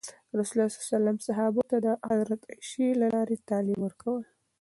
رسول الله ﷺ صحابه ته د حضرت عایشې له لارې تعلیم ورکول.